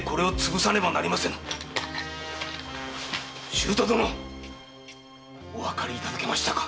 舅殿！おかわりいただけましたか